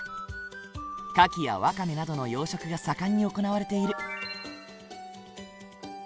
カキやワカメなどの養殖が盛んに行われている。